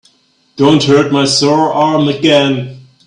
Don't hurt my sore arm again.